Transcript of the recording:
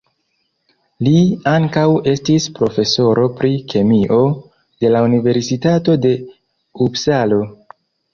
Li ankaŭ estis profesoro pri kemio de la universitato de Upsalo.